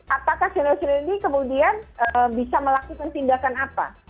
apakah senior senior ini kemudian bisa melakukan tindakan apa